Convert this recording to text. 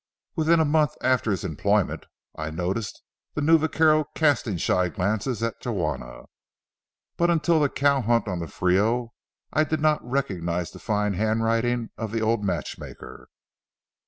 Within a month after his employment I noticed the new vaquero casting shy glances at Juana, but until the cow hunt on the Frio I did not recognize the fine handwriting of the old matchmaker.